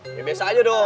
ini biasa aja dong